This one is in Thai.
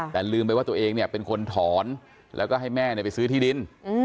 แต่ลืมไปว่าตัวเองเนี่ยเป็นคนถอนแล้วก็ให้แม่ไปซื้อที่ดิน